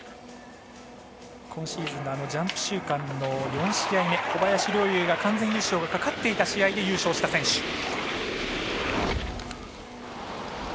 今シーズンのジャンプ週間の４週目小林陵侑が完全優勝がかかっていた試合で優勝した選手。